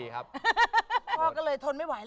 ฮ่า